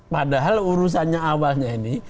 padahal urusannya awalnya ini